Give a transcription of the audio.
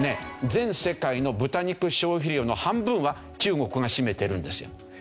全世界の豚肉消費量の半分は中国が占めてるんですよ。